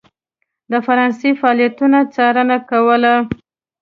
د فرانسې فعالیتونو څارنه کوله.